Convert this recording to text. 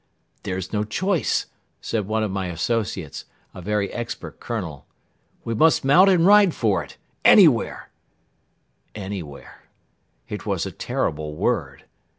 "There's no choice," said one of my associates, a very expert Colonel. "We must mount and ride for it ... anywhere." "Anywhere. ..." It was a terrible word!